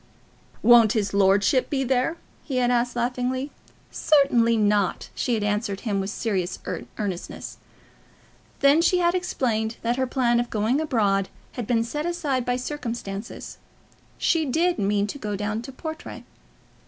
"Won't his lordship be there?" he had said laughingly. "Certainly not," she had answered with serious earnestness. Then she had explained that her plan of going abroad had been set aside by circumstances. She did mean to go down to Portray.